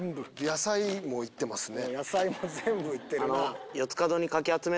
野菜もいってますね。